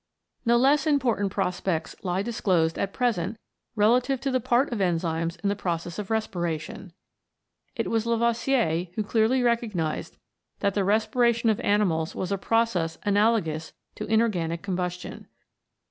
No less important prospects lie disclosed at present relative to the part of enzymes in the process of respiration. It was Lavoisier who clearly recognised that the respiration of animals was a process analogous to inorganic combustion.